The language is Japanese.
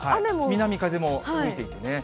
南風も吹いてきてね。